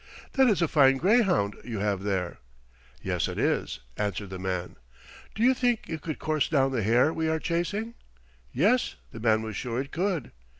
"That is a fine greyhound you have there." "Yes, it is," answered the man. "Do you think it could course down the hare we are chasing?" Yes, the man was sure it could.